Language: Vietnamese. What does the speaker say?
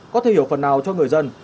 có thể hiểu phần nào cho người dân